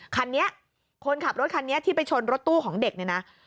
คันนี้คนขับรถคันนี้ที่ไปชนรถตู้ของเด็กเนี่ยนะ